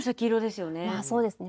まあそうですね。